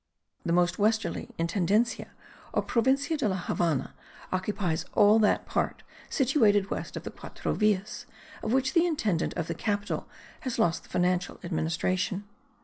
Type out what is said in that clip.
The most westerly intendencia, or Provincia de la Havannah, occupies all that part situated west of the Quatro Villas, of which the intendant of the capital has lost the financial administration.